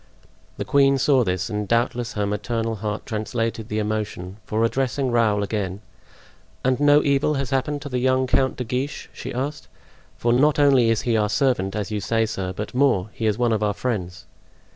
The queen saw this, and doubtless her maternal heart translated the emotion, for addressing Raoul again: "And no evil has happened to the young Count de Guiche?" she asked; "for not only is he our servant, as you say, sir, but more—he is one of our friends."